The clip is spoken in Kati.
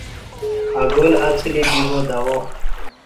اگل اڅلی بیبا دوا